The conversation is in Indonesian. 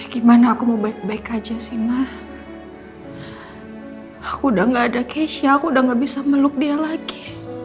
gimana aku mau baik baik aja sih mah aku udah gak ada keisha aku udah gak bisa meluk dia lagi